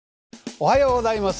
おはようございます。